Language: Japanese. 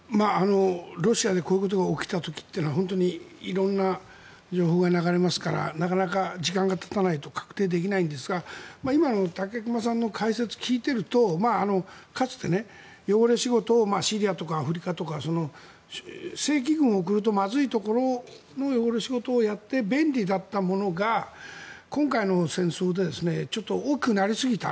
ロシアでこういうことが起きた時というのは本当に色んな情報が流れますからなかなか時間がたたないと確定できないんですが今の武隈さんの解説を聞いているとかつて、汚れ仕事をシリアとかアフリカとか正規軍を送るとまずいところの汚れ仕事をやって便利だったものが今回の戦争でちょっと大きくなりすぎた。